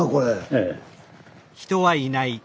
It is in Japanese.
ええ。